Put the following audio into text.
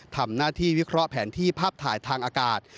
ทำหน้าที่วิเคราะห์แผนที่ภาพถ่ายทางอากาศ